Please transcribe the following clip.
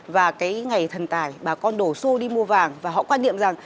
và cái ngày thần tài bà con đổ xô đi mua vàng và họ quan niệm rằng